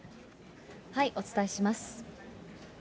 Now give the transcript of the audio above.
お伝えします。